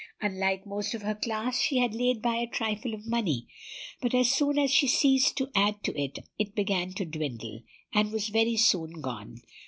Unlike most of her class, she had laid by a trifle of money; but as soon as she ceased to add to it, it began to dwindle, and was very soon gone.